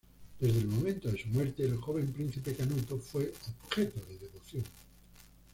Desde el momento de su muerte, el joven príncipe Canuto fue objeto de devoción.